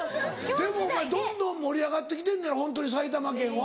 でもどんどん盛り上がってきてホントに埼玉県は。